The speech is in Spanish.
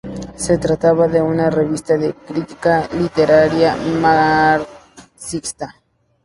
Se trataba de una revista de crítica literaria marxista.